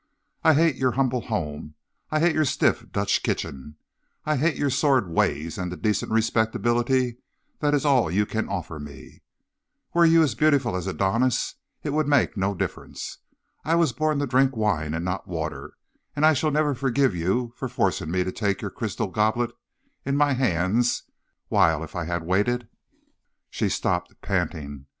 I hate your humble home, I hate your stiff Dutch kitchen, I hate your sordid ways and the decent respectability that is all you can offer me. Were you beautiful as Adonis, it would make no difference. I was born to drink wine and not water, and I shall never forgive you for forcing me to take your crystal goblet in my hands, while, if I had waited ' "She stopped, panting.